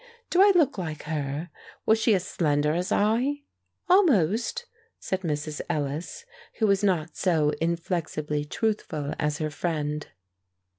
Do I look like her? Was she as slender as I?" "Almost," said Mrs. Ellis, who was not so inflexibly truthful as her friend.